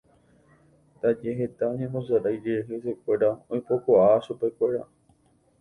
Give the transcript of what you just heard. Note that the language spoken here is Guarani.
Ndaje heta oñembosarai rire hesekuéra oipokua chupekuéra.